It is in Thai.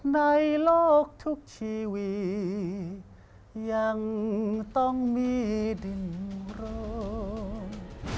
โดนของหรือไม่